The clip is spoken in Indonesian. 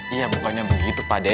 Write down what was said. ya bukannya begitu pak de